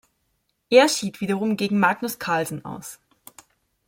Er schied wiederum gegen Magnus Carlsen aus.